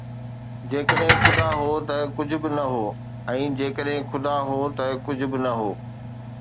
جيڪڏهن خدا هو ته ڪجهه به نه هو، ۽ جيڪڏهن خدا هو ته ڪجهه به نه هو